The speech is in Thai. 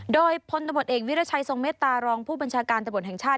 โดยพลตำรวจเอกวิรัชัยทรงเมตตารองผู้บัญชาการตำรวจแห่งชาติ